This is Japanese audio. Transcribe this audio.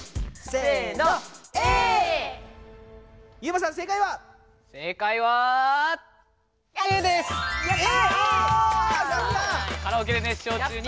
さすが！カラオケで熱唱中に。